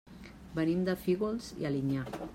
Venim de Fígols i Alinyà.